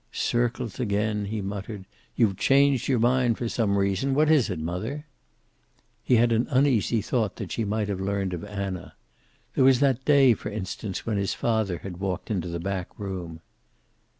"Circles again," he muttered. "You've changed your mind, for some reason. What is it, mother?" He had an uneasy thought that she might have learned of Anna. There was that day, for instance, when his father had walked into the back room.